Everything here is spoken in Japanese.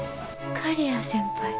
刈谷先輩？